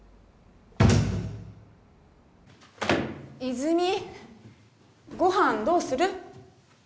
泉ご飯どうする？